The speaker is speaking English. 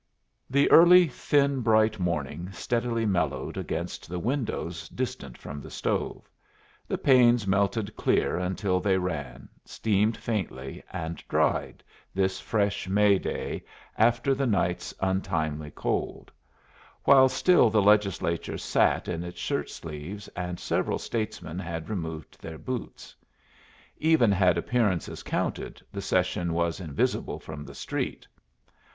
The early, thin, bright morning steadily mellowed against the windows distant from the stove; the panes melted clear until they ran, steamed faintly, and dried, this fresh May day, after the night's untimely cold; while still the Legislature sat in its shirt sleeves, and several statesmen had removed their boots. Even had appearances counted, the session was invisible from the street.